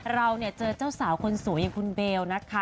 เราเจอเจ้าสาวคนสวยอย่างคุณเบล